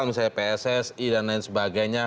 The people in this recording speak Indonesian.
misalnya pssi dan lain sebagainya